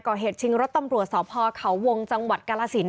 ก่อเหตุชิงรถตำรวจสาวพอด์เขาวงจังหวัดกาลาศิลป์